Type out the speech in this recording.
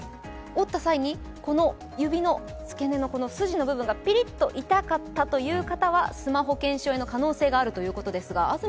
折った際に指のつけ根の筋の部分がピリッと痛かったという方はスマホ腱鞘炎の可能性があるということです。